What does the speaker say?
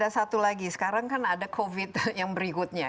satu lagi sekarang kan ada covid yang berikutnya